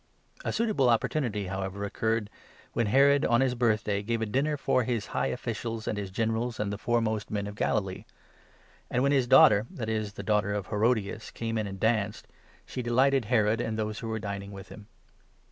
A suitable opportunity, however, occurred 21 when Herod, on his birthday, gave a dinner to his high offi cials, and his generals, and the foremost men in Galilee. And 22 when his daughter— that is, the daughter of Herodias — came in and danced, she delighted Herod and those who were dining with him.